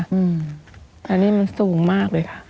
อันนี้มันสูงมากเลยค่ะ